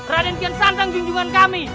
raden kian sandang junjungan kami